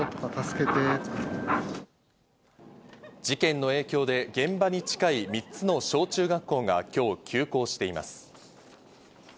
事件の影響で現場に近い３つの小中学校が今日、休校しています。